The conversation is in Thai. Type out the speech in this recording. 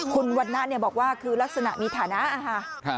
คุณวัดหน้าบอกว่าคือลักษณะมีฐานะ